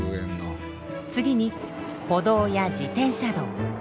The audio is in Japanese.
次に歩道や自転車道。